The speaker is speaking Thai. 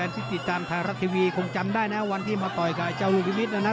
ที่ติดตามไทยรัฐทีวีคงจำได้นะวันที่มาต่อยกับเจ้าลูกนิมิตนะนะ